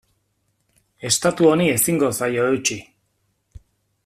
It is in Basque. Estatu honi ezingo zaio eutsi.